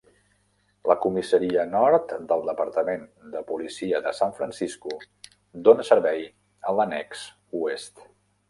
La comissaria nord del Departament de Policia de San Francisco dona servei a l'annex oest.